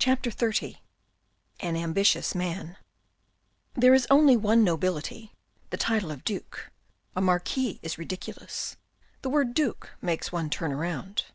CHAPTER XXX AN AMBITIOUS MAN There is only one nobility, the title of duke ; a marquis is ridiculous ; the word duke makes one turn round.